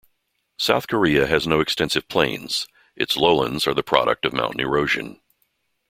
South Korea has no extensive plains; its lowlands are the product of mountain erosion.